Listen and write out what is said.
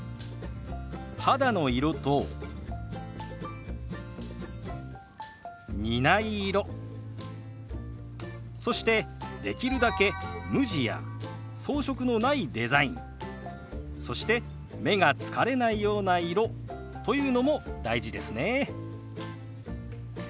肌の色と似ない色そしてできるだけ無地や装飾のないデザインそして目が疲れないような色というのも大事ですね。